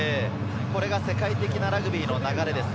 これが世界的なラグビーの流れです。